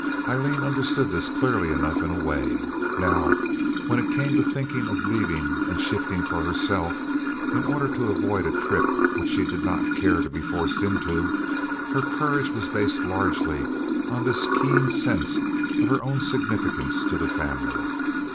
Aileen understood this clearly enough in a way. Now, when it came to thinking of leaving and shifting for herself, in order to avoid a trip which she did not care to be forced into, her courage was based largely on this keen sense of her own significance to the family.